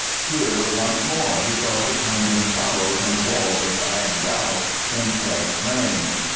Here once more he saw the crumbling towers and walls of Hang Gow in fresh rain.